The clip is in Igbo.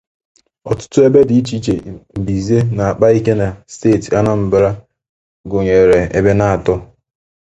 Ọtụtụ ebe dị iche iche mbize na-akpa ike na steeti Anambra gụnyere Ebenatọr